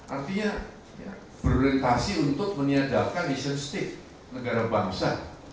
artinya berorientasi untuk meniadalkan isimstik negara bangsa